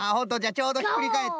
ちょうどひっくりかえった。